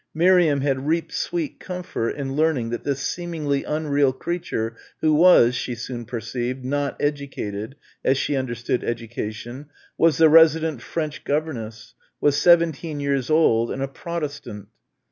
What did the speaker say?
Miriam had reaped sweet comfort in learning that this seemingly unreal creature who was, she soon perceived, not educated as she understood education was the resident French governess, was seventeen years old and a Protestant.